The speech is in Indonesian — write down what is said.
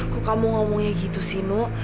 kok kamu ngomongnya gitu sih nu